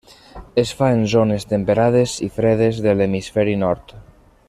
Es fa en zones temperades i fredes de l'hemisferi nord.